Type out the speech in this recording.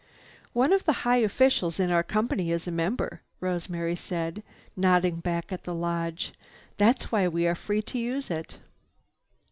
"One of the high officials in our company is a member," Rosemary said, nodding back at the lodge. "That's why we are free to use it."